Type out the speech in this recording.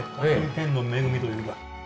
天の恵みというか。